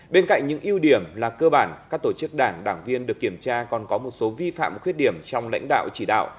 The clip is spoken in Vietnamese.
bên cạnh những ưu điểm là cơ bản các tổ chức đảng đảng viên được kiểm tra còn có một số vi phạm khuyết điểm trong lãnh đạo chỉ đạo